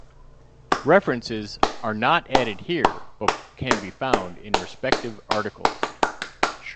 References are not added here but can be found in respective articles.